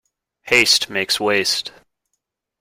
Haste makes waste.